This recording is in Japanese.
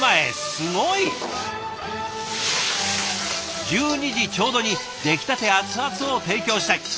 すごい！１２時ちょうどに出来たて熱々を提供したい。